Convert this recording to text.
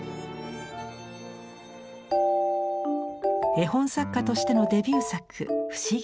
絵本作家としてのデビュー作「ふしぎなえ」。